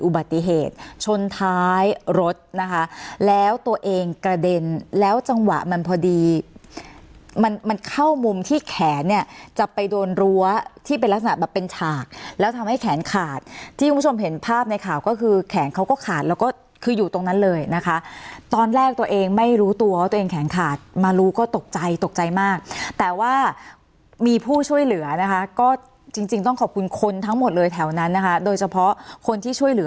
อุบัติเหตุชนท้ายรถนะคะแล้วตัวเองกระเด็นแล้วจังหวะมันพอดีมันมันเข้ามุมที่แขนเนี่ยจะไปโดนรั้วที่เป็นลักษณะแบบเป็นฉากแล้วทำให้แขนขาดที่คุณผู้ชมเห็นภาพในข่าวก็คือแขนเขาก็ขาดแล้วก็คืออยู่ตรงนั้นเลยนะคะตอนแรกตัวเองไม่รู้ตัวตัวเองแขนขาดมารู้ก็ตกใจตกใจมากแต่ว่ามีผู้ช่วยเหลือนะคะก็จริง